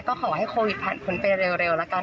ก็ขอให้โควิดผ่านพ้นไปเร็วละกัน